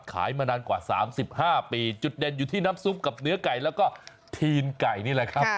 มานานกว่า๓๕ปีจุดเด่นอยู่ที่น้ำซุปกับเนื้อไก่แล้วก็ทีนไก่นี่แหละครับ